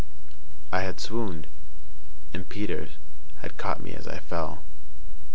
I had swooned, and Peters had caught me as I fell.